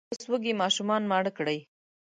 اوس وږي ماشومان ماړه کړئ!